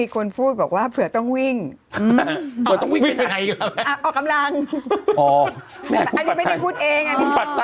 คุณปัจไทยมาเนียบชอบ